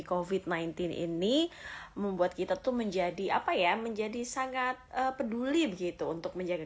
covid sembilan belas ini membuat kita tuh menjadi apa ya menjadi sangat peduli begitu untuk menjaga